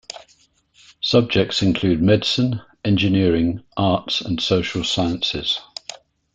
Subjects include Medicine, Engineering, Arts and Social Sciences.